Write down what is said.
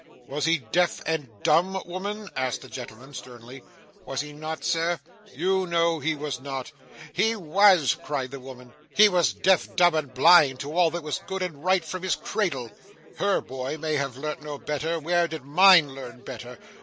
'Was he deaf and dumb, woman?' asked the gentleman sternly. 'Was he not, Sir?' 'You know he was not.' 'He was,' cried the woman. 'He was deaf, dumb, and blind, to all that was good and right, from his cradle. Her boy may have learnt no better! where did mine learn better?